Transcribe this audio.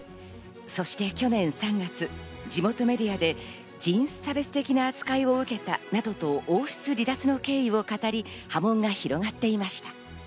そして去年３月、地元メディアで人種差別的な扱いを受けたなどと王室離脱の経緯を語り、波紋が広がっていました。